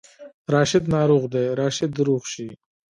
راشد ناروغ دی، راشد دې روغ شي